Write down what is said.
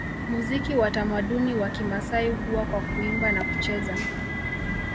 Muziki wa tamaduni wa Kimasai huwa kwa Kuimba na kucheza